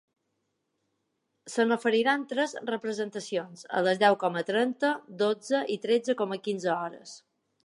Se n’oferiran tres representacions, a les deu coma trenta, dotze i tretze coma quinze hores.